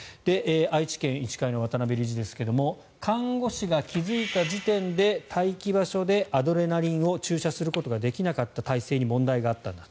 愛知県医師会の渡辺理事ですが看護師が気付いた時点で待機場所でアドレナリンを注射することができなかった体制に問題があったんだ